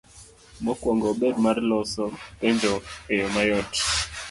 Mokuong'o obed mar loso penjo e yo mayot.